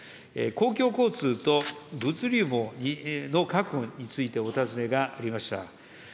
公共交通と物流網の確保についてお尋ねがありました。